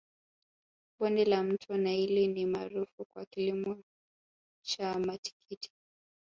bonde la mto naili ni maarufu kwa kilimo cha matikiti